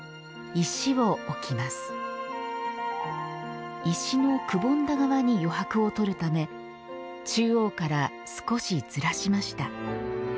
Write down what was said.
石のくぼんだ側に余白を取るため中央から少しずらしました。